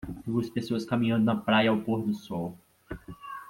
Duas pessoas caminhando na praia ao pôr do sol.